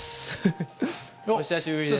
お久しぶりです。